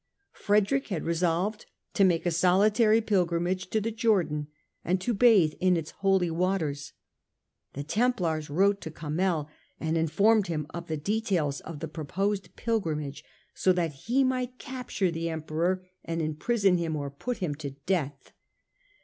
Frederick had resolved to make a solitary pilgrimage to the Jordan and to bathe in its holy waters. The Templars wrote to Kamel and informed him of the details of the pro posed pilgrimage, so that he might capture the Emperor and imprison him or put him to death.